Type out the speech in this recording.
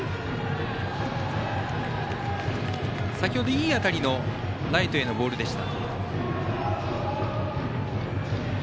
先ほどいい当たりのライトへのボールでした。